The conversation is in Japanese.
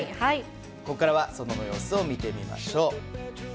ここからは外の様子を見てみましょう。